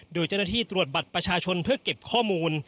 โดยเจ้าหน้าที่ตรวจบัตรประชาชนเพื่อเก็บข้อมูล